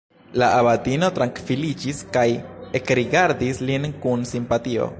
La abatino trankviliĝis kaj ekrigardis lin kun simpatio.